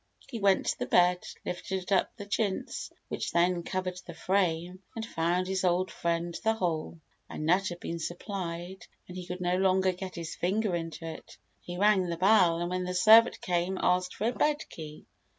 He went to the bed, lifted up the chintz which then covered the frame, and found his old friend the hole. A nut had been supplied and he could no longer get his finger into it. He rang the bell and when the servant came asked for a bed key.